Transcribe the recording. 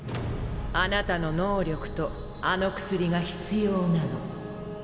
貴方の能力とあの薬が必要なの。